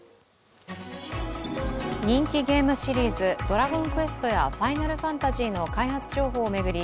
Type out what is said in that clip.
人気ゲームシリーズ「ドラゴンクエスト」や「ファイナルファンタジー」の開発情報を巡り